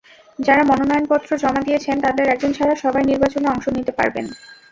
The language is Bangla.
যাঁরা মনোনয়নপত্র জমা দিয়েছেন, তাঁদের একজন ছাড়া সবাই নির্বাচনে অংশ নিতে পারবেন।